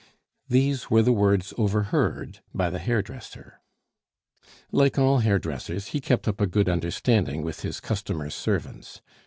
These were the words overheard by the hairdresser. Like all hairdressers, he kept up a good understanding with his customers' servants.